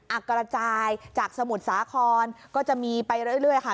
กระจายจากสมุทรสาครก็จะมีไปเรื่อยค่ะ